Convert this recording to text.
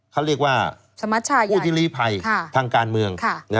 เขาเรียกว่าผู้ที่ลีภัยทางการเมือง